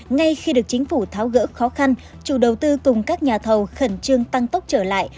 ngay khi được chính phủ tháo gỡ khó khăn chủ đầu tư cùng các nhà thầu khẩn trương tăng tốc trở lại